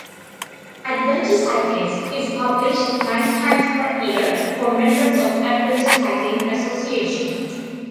"Adventure Cyclist" is published nine times per year for members of Adventure Cycling Association.